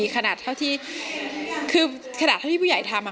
ขนาดเท่าที่คือขนาดเท่าที่ผู้ใหญ่ทำ